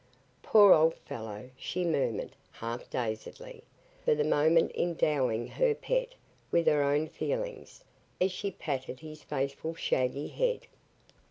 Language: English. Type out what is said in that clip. "Poor old fellow," she murmured, half dazedly, for the moment endowing her pet with her own feelings, as she patted his faithful shaggy head.